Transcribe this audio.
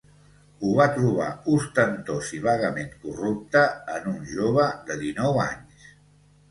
Ho va trobar ostentós i vagament corrupte en un jove de dinou anys...